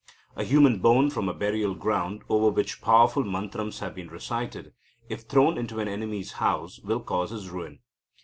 A human bone from a burial ground, over which powerful mantrams have been recited, if thrown into an enemy's house, will cause his ruin.